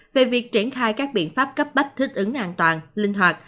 về việc triển khai các biện pháp cấp bách thích ứng an toàn linh hoạt